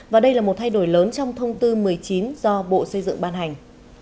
và đây là một thay đổi lớn trong thông tư một mươi chín do bộ xây dựng ban hành